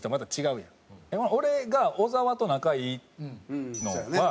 俺が小沢と仲いいのは。